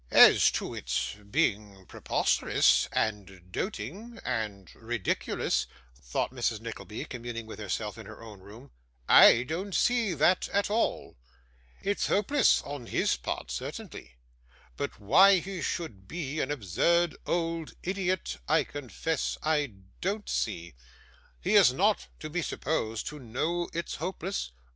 'As to its being preposterous, and doting, and ridiculous,' thought Mrs Nickleby, communing with herself in her own room, 'I don't see that, at all. It's hopeless on his part, certainly; but why he should be an absurd old idiot, I confess I don't see. He is not to be supposed to know it's hopeless.